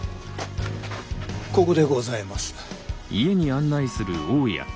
ここでございます。